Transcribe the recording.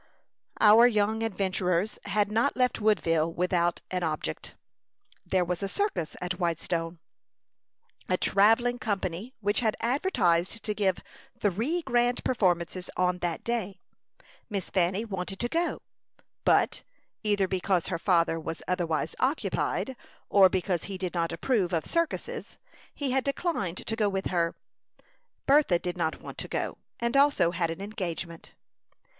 Our young adventurers had not left Woodville without an object. There was a circus at Whitestone a travelling company which had advertised to give three grand performances on that day. Miss Fanny wanted to go; but, either because her father was otherwise occupied, or because he did not approve of circuses, he had declined to go with her. Bertha did not want to go, and also had an engagement.